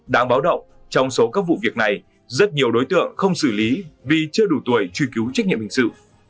đáng báo động trong số các vụ việc này rất nhiều đối tượng không xử lý vì chưa đủ tuổi truy cứu trách nhiệm hình sự